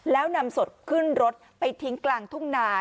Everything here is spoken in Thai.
แล้วนำศพขึ้นรถไปทิ้งกลางทุ่งนา